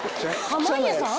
濱家さん？